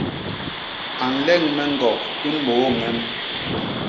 A nleñ me ñgok i mbôô ñem.